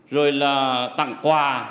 rồi là tặng quà